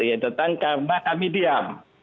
ya tentang kami diam